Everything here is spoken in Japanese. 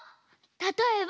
たとえば。